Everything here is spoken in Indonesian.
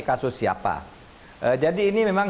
kasus siapa jadi ini memang